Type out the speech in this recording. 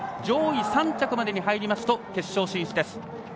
上位３着までに入りますと決勝進出です。